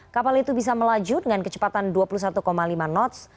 kapal itu bisa melaju dengan kecepatan dua puluh satu lima knots